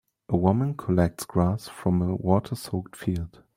A woman collects grass from a water soaked field